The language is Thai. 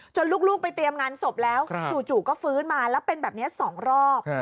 ลูกไปเตรียมงานศพแล้วจู่ก็ฟื้นมาแล้วเป็นแบบนี้๒รอบ